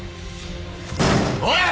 おい！